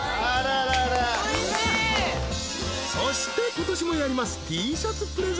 ［そして今年もやります］